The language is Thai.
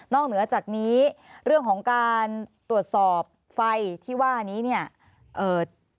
นอกเหนือจากนี้เรื่องของการตรวจสอบไฟที่ว่านี้